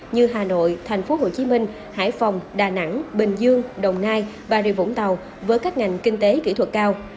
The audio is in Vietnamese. như hà nội tp hcm hải phòng đà nẵng bình dương đồng nai bà rịa vũng tàu với các ngành kinh tế kỹ thuật cao